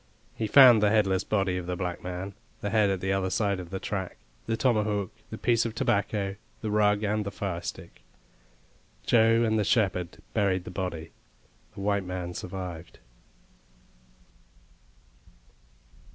He found the headless body of the black man, the head at the other side of the track, the tomahawk, the piece of tobacco, the rug, and the firestick. Joe and the shepherd buried the body; the white man survived.